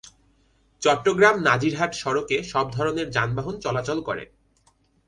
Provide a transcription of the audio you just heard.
চট্টগ্রাম-নাজিরহাট সড়কে সব ধরনের যানবাহন চলাচল করে।